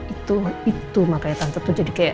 itu itu makanya tante itu jadi kayak